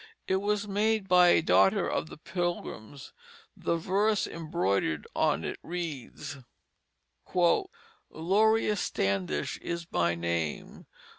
It was made by a daughter of the Pilgrims. The verse embroidered on it reads: "Lorea Standish is My Name.